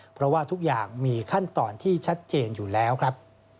เพราะว่าทุกอย่างมีขั้นตอนที่ชัดเจนอยู่แล้วครับ